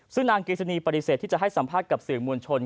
ซึ่งนางกฤษณีปฏิเสธที่จะให้สัมภาษณ์กับสื่อมวลชน